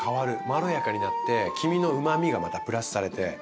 まろやかになって黄身のうまみがまたプラスされて。